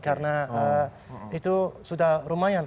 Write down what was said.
karena itu sudah lumayan